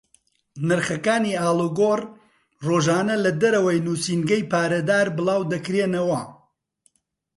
نرخەکانی ئاڵوگۆڕ ڕۆژانە لە دەرەوەی نووسینگەی پارەدار بڵاو دەکرێنەوە.